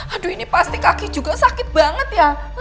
aduh ini pasti kaki juga sakit banget ya